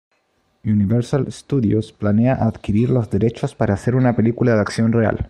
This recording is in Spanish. Universal Studios planea adquirir los derechos para hacer una película de acción real.